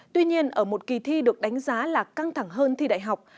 tuy nhiên ở một kỳ thi được đánh giá là căng thẳng hơn thi đại học